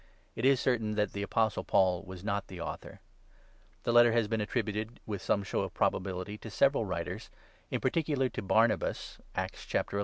It is certain that the Apostle Paul was not the author. The Letter has been attributed with some show of probability to several writers, in particular to Barnabas (Acts n.